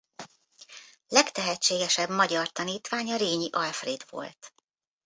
Legtehetségesebb magyar tanítványa Rényi Alfréd volt.